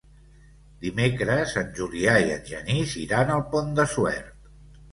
Dimecres en Julià i en Genís iran al Pont de Suert.